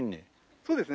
そうですね。